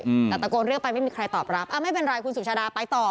อืมแต่ตะโกนเรียกไปไม่มีใครตอบรับอ่าไม่เป็นไรคุณสุชาดาไปต่อ